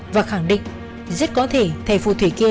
và khẳng định rất có thể thầy phù thủy kia